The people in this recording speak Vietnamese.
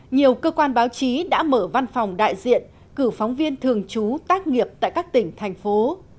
nhiều cơ quan báo chí đã mở văn phòng đại diện cử phóng viên thường trú tác nghiệp tại các tỉnh thành phố